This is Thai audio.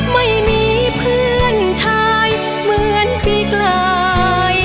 ไม่มีเพื่อนชายเหมือนปีกลาย